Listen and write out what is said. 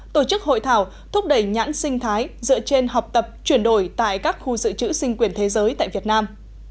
tổ chức hội thảo thúc đẩy nhãn sinh thái dựa trên học tập chuyển đổi tại các khu dự trữ sinh quyền thế giới tại việt nam